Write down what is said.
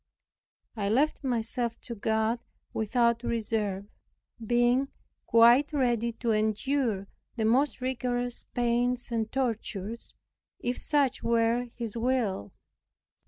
I left myself to God without reserve, being quite ready to endure the most rigorous pains and tortures, if such were His will.